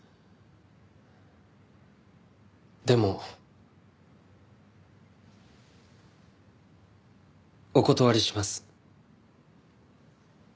でもお断りします。